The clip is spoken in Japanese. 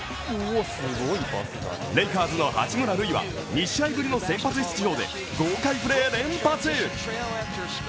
レイカーズの八村塁は２試合ぶりの先発出場で豪快プレー連発。